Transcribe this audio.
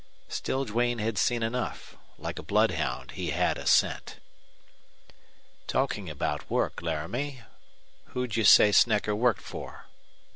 Still Duane had seen enough. Like a bloodhound he had a scent. "Talking about work, Laramie, who'd you say Snecker worked for?"